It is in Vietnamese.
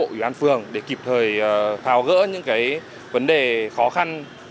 ủy ban phường để kịp thời thao gỡ những vấn đề khó khăn